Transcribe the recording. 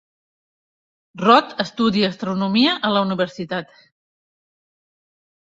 Rod estudia astronomia a la universitat.